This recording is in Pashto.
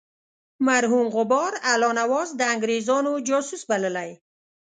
مرحوم غبار الله نواز د انګرېزانو جاسوس بللی.